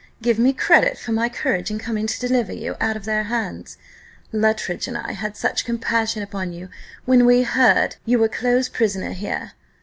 Give me credit for my courage in coming to deliver you out of their hands. Luttridge and I had such compassion upon you, when we heard you were close prisoner here!